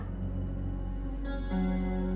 pergi lo sekarang